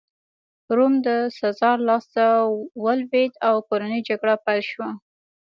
روم د سزار لاسته ولوېد او کورنۍ جګړه پیل شوه